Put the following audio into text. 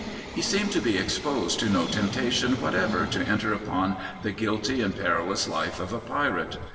He seemed to be exposed to no temptation whatever to enter upon the guilty and perilous life of a pirate.